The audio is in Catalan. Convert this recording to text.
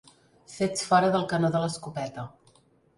Fets fora del canó de l'escopeta.